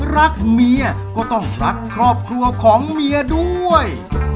รักเมียก็ต้องรักครอบครัวของเมียด้วย